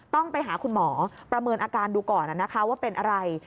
ต้องไปหาคุณหมอประเมินอาการดูก่อนนะคะว่าเป็นอะไร